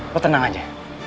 kau tenang aja